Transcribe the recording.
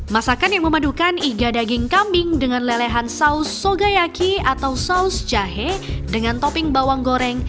masakan yang memadukan iga daging kambing dengan lelehan saus sogayaki atau saus jahe dengan topping bawang goreng